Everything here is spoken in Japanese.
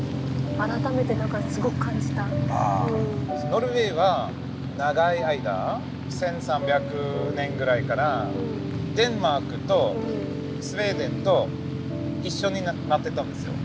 ノルウェーは長い間１，３００年くらいからデンマークとスウェーデンと一緒になってたんですよ。